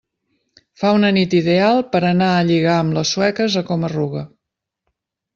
Fa una nit ideal per anar a lligar amb les sueques a Coma-ruga.